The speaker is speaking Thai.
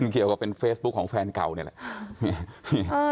เกี่ยวกับเป็นเฟซบุ๊คของแฟนเก่านี่แหละ